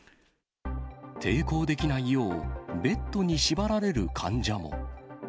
抵抗できないよう、ベッドに縛られる患者も。